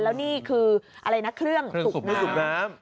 แล้วนี่คืออะไรนะเครื่องสุกน้ำ